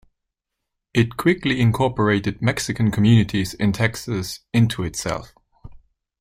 It quickly incorporated Mexican communities in Texas into itself.